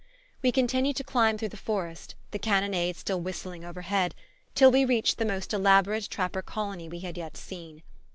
We continued to climb through the forest, the cannonade still whistling overhead, till we reached the most elaborate trapper colony we had yet seen.